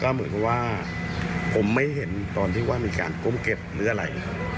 เหมือนกับว่าผมไม่เห็นตอนที่ว่ามีการก้มเก็บหรืออะไร